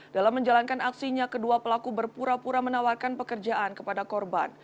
dalam menjalankan aksinya kedua pelaku berpura pura menawarkan pekerjaan kepada korban